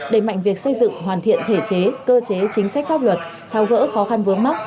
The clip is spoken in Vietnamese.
đẩy mạnh việc xây dựng hoàn thiện thể chế cơ chế chính sách pháp luật thao gỡ khó khăn vướng mắt